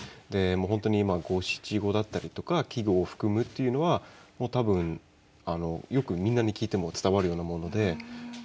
で本当に五七五だったりとか季語を含むっていうのは多分よくみんなに聞いても伝わるようなもので。